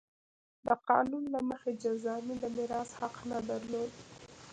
د قانون له مخې جذامي د میراث حق نه درلود.